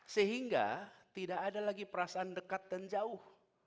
sehingga tidak ada lagi perasaan dekat dan jauh